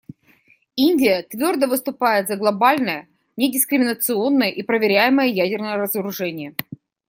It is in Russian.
Индия твердо выступает за глобальное недискриминационное и проверяемое ядерное разоружение.